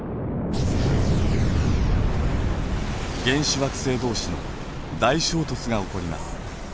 原始惑星同士の大衝突が起こります。